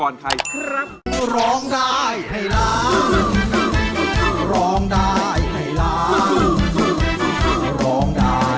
ร้องได้ให้ล้าง